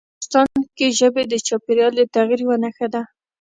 افغانستان کې ژبې د چاپېریال د تغیر یوه نښه ده.